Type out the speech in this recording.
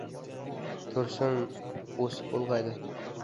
Tursun o‘sib-ulg‘aydi.